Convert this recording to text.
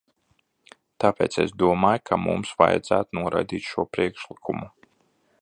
Tāpēc es domāju, ka mums vajadzētu noraidīt šo priekšlikumu.